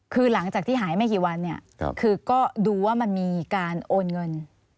คือหลังจากที่หายไม่กี่วันเนี่ยคือก็ดูว่ามันมีการโอนเงิน